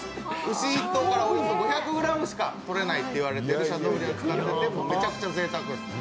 牛１頭からおよそ５００ｇしかとれないシャトーブリアン使っててめちゃくちゃぜいたくです。